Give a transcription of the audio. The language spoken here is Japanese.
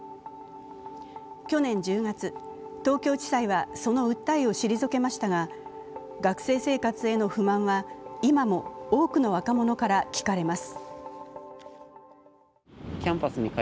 去年１０月、東京地裁はその訴えを退けましたが、学生生活への不満は今も多くの若者から聞かれます。